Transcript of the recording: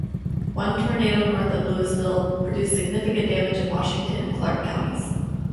One tornado north of Louisville producing significant damage in Washington and Clark Counties.